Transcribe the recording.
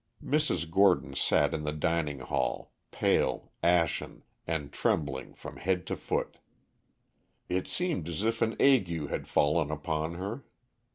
Mrs. Gordon sat in the dining hall, pale, ashen, and trembling from head to foot. It seemed as if an ague had fallen upon her.